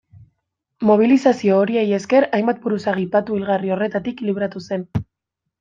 Mobilizazio horiei esker hainbat buruzagi patu hilgarri horretatik libratu zen.